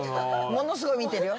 ものすごい見てるよ。